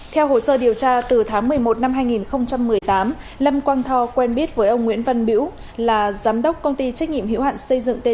theo hồ sơ điều tra từ tháng một mươi một năm hai nghìn một mươi tám lâm quang tho quen biết với ông nguyễn văn bưu là giám đốc công ty trách nhiệm hiệu hạn xây dựng tt